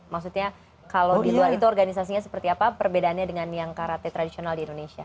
maksudnya kalau di luar itu organisasinya seperti apa perbedaannya dengan yang karate tradisional di indonesia